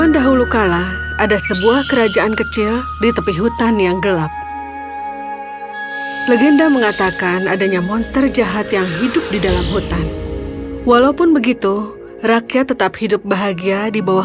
dunging bahasa indonesia